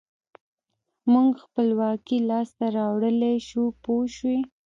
موږ خپلواکي لاسته راوړلای شو پوه شوې!.